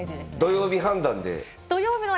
土曜日判断で？